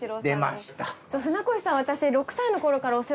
船越さん私。